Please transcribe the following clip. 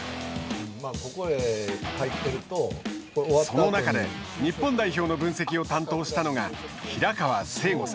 その中で、日本代表の分析を担当したのが、平川聖剛さん。